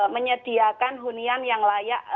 menyediakan hunian yang layak